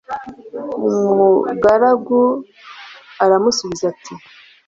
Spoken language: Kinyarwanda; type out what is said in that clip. umugaragu aramusubiza ati